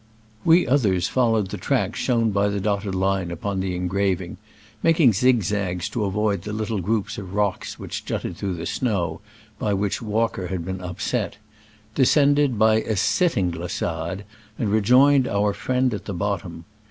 We others followed the tracks shown by the dotted line upon the engraving (making zigzags to avoid the little groups of rocks which jutted through the snow, by which Walker had been upset), de • scended by a sitting glissade, and re joined our friend at the bottom.